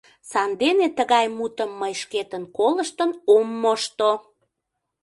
Сандене тыгай мутым мый шкетын колыштын ом мошто!